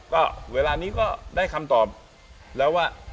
ก็เวลานี้ก็ได้คำตอบแล้วว่า